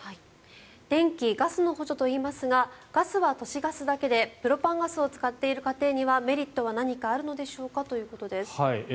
電気・ガスの補助といいますがガスは都市ガスだけでプロパンガスを使っている家庭にはメリットは何かあるのでしょうかということです。